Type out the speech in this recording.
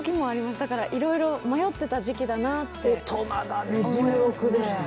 だからいろいろ迷ってた時期だなって思います。